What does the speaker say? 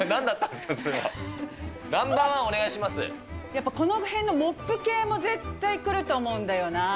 やっぱりこの辺のモップ系も絶対くると思うんだよな。